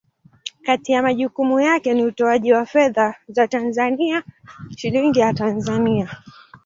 Kati ya majukumu yake ni utoaji wa fedha za Tanzania, Shilingi ya Tanzania.